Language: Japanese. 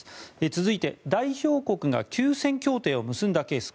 続いて、代表国が休戦協定を結んだケース。